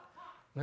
何？